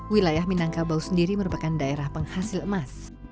wilayah minangkabau sendiri merupakan daerah penghasil emas